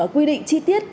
quy định chi tiết